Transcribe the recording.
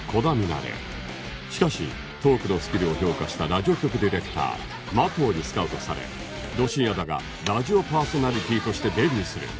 しかしトークのスキルを評価したラジオ局ディレクター麻藤にスカウトされど深夜だがラジオパーソナリティーとしてデビューする